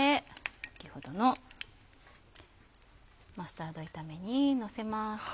先ほどのマスタード炒めにのせます。